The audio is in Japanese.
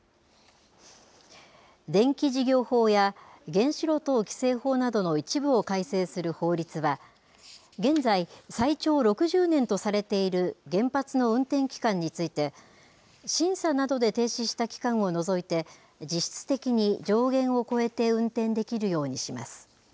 電気事業法や原子炉等規制法などの一部を改正する法律は、現在、最長６０年とされている原発の運転期間について、審査などで停止した期間を除いて、実質的に上限を超えて運転できるようにします。